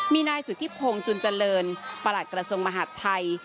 มีนายสุธิพงศ์จุนเจริญประหลัดกระทรวงมหาดไทย